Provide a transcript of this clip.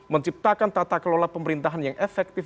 menciptakan tata kelola pemerintahan yang efektif